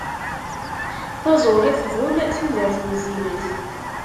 Taẓuri tḍul, tudert wezzilet.